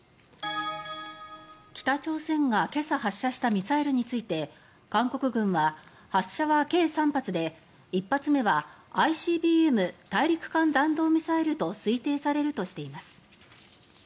北朝鮮が今朝発射したミサイルについて韓国軍は発射は計３発で１発目はＩＣＢＭ・大陸間弾道ミサイルと推定されるとしています。